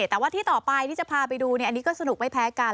แต่ว่าที่ต่อไปที่จะพาไปดูอันนี้ก็สนุกไม่แพ้กัน